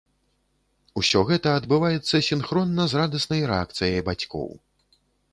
Усё гэта адбываецца сінхронна з радаснай рэакцыяй бацькоў.